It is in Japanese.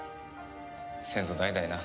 先祖代々な。